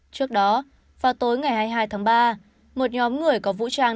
trước đó vào tối ngày hai mươi hai tháng ba một nhóm người có vũ trang